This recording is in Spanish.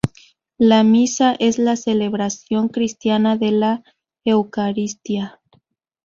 La misa es la celebración cristiana de la Eucaristía.